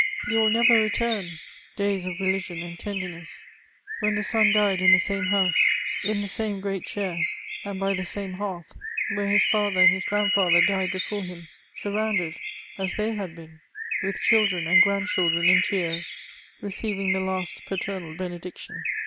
You will never return, days of religion and tenderness, when the son died in the same house, in the same great chair, and by the same hearth, where his &ther and his grandfather died before him, surrounded, as they had been, with children and grand children in tears, receiving* the last paternal benediction